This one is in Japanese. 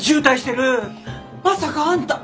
まさかあんた！